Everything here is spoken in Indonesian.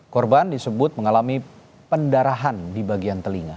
korban disebut mengalami pendarahan di bagian telinga